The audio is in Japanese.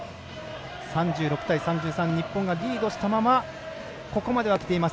日本がリードしたままここまではきています。